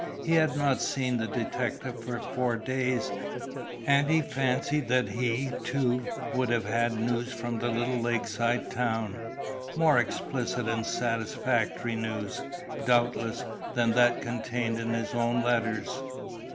He had not seen the detective for four days, and he fancied that he, too, would have had news from the little lakeside town; more explicit and satisfactory news, doubtless, than that contained in his own letters.